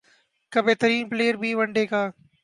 کا بہترین پلئیر بھی ون ڈے کا